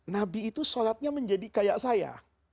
nabi itu sholatnya menjadi kayak saya